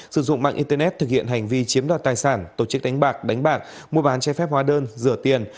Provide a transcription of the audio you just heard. sử dụng mạng internet thực hiện hành vi chiếm đoạt tài sản tổ chức đánh bạc đánh bạc mua bán che phép hóa đơn rửa tiền